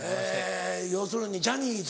要するにジャニーズ。